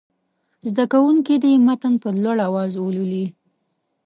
زده کوونکي دې متن په لوړ اواز ولولي.